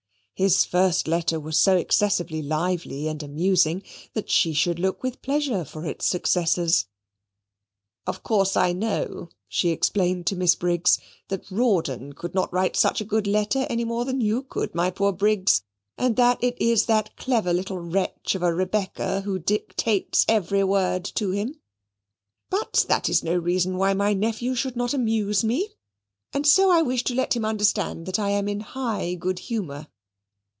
His first letter was so excessively lively and amusing that she should look with pleasure for its successors. "Of course, I know," she explained to Miss Briggs, "that Rawdon could not write such a good letter any more than you could, my poor Briggs, and that it is that clever little wretch of a Rebecca, who dictates every word to him; but that is no reason why my nephew should not amuse me; and so I wish to let him understand that I am in high good humour."